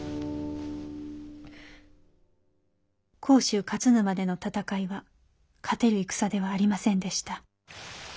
甲州・勝沼での戦いは勝てる戦ではありませんでした。